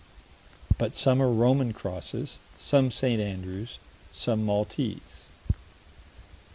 But some are Roman crosses, some St. Andrew's, some Maltese.